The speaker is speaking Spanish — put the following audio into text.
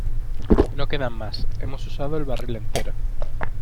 ¡ No quedan más! ¡ hemos usado el barril entero !